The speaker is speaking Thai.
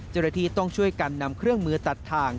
เจรฐีต้องช่วยกันนำเครื่องมือตัดทาง